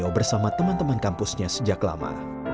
beliau bersama teman teman kampusnya sejak lama